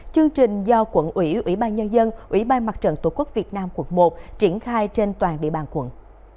chương trình do quận ủy ủy ban nhân dân ủy ban mặt trận tổ quốc việt nam quận một triển khai trên toàn địa bàn quận